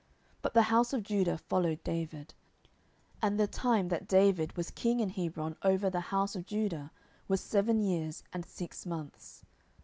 But the house of Judah followed David. 10:002:011 And the time that David was king in Hebron over the house of Judah was seven years and six months.